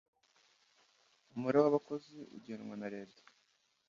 umubare wabakozi ugenwa na leta.